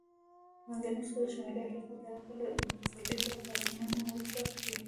منځنی ختیځ او شمالي افریقا د عرب پسرلي له پاڅونونو ډک دي.